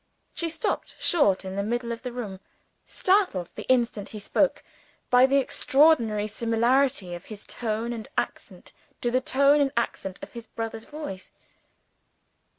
She stopped short, in the middle of the room startled, the instant he spoke, by the extraordinary similarity of his tone and accent to the tone and accent of his brother's voice.